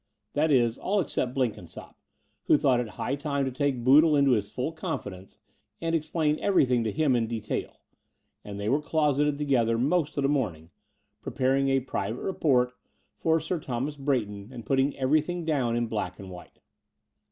That is, all except Blenkinsopp, who thought it high time to take Boodle into his full confidence and explain every thing to him in detail: and they were closeted together most of the morning, preparing a private report for Sir Thomas Brayton and putting every thing down in black and white.